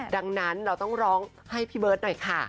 ดังนั้นเราต้องร้องให้พี่เบิร์ตหน่อยค่ะ